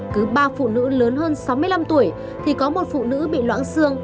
cứ ba phụ nữ lớn hơn sáu mươi năm tuổi thì có một phụ nữ bị loãng xương